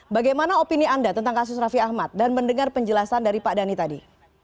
bagaimana opini anda tentang kasus raffi ahmad dan mendengar penjelasan dari pak dhani tadi